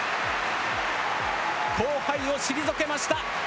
後輩を退けました。